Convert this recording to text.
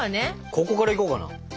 ここからいこうかな。